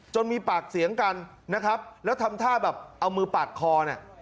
มีปากเสียงกันนะครับแล้วทำท่าแบบเอามือปาดคอเนี่ย